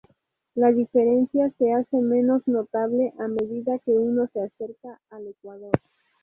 La diferencia se hace menos notable a medida que uno se acerca al ecuador.